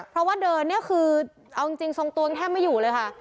เพราะว่าเดินเนี่ยคือเอาจริงทรงตวงแทบไม่อยู่เลยค่ะ